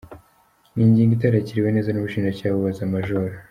Ni ingingo itarakiriwe neza n’Ubushinjacyaha bubaza Maj.